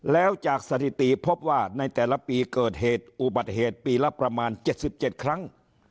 แล้วจากสถิติพบว่าในแต่ละปีเกิดเหตุอุบัติเหตุปีละประมาณ๗๗ครั้ง